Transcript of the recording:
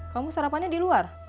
kamu sarapannya di luar